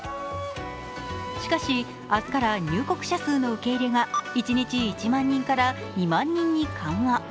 しかし、明日から入国者数の受け入れが一日１万人から２万人に緩和。